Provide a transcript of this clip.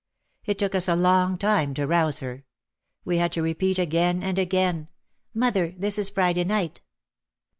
It took us a long time to rouse her. We had to repeat again and again, "Mother, this is Friday night.